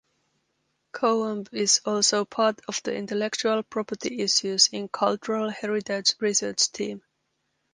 Coombe is also part of the Intellectual Property Issues in Cultural Heritage research team.